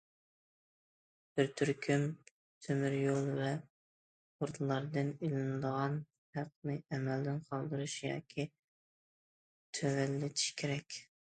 بىر تۈركۈم تۆمۈر يول ۋە پورتلاردىن ئېلىنىدىغان ھەقنى ئەمەلدىن قالدۇرۇش ياكى تۆۋەنلىتىش كېرەك.